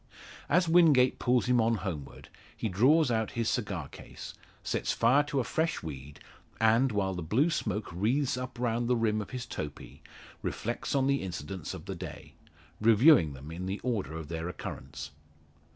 As Wingate pulls him on homeward, he draws out his cigar case, sets fire to a fresh weed, and, while the blue smoke wreaths up round the rim of his topee, reflects on the incidents of the day, reviewing them in the order of their occurrence.